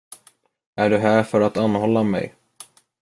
Är du här för att anhålla mig?